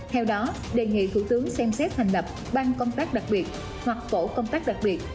theo đó đề nghị thủ tướng xem xét hành lập bang công tác đặc biệt hoặc phổ công tác đặc biệt